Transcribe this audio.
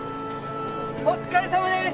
お疲れさまです